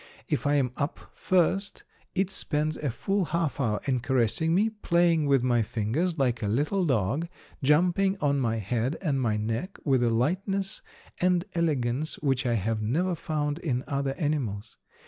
If I am up first it spends a full half hour in caressing me, playing with my fingers like a little dog, jumping on my head and my neck with a lightness and elegance which I have never found in other animals.